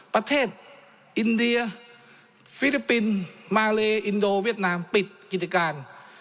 ประเทศอินเดียฟิลิปปินส์มาเลอินโดเวียดนามปิดกิจการ